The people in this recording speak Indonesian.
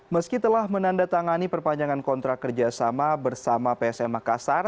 meski telah menandatangani perpanjangan kontrak kerjasama bersama psm makassar